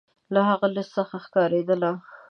له هغه لیست څخه ښکارېدله.